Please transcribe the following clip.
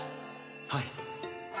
はい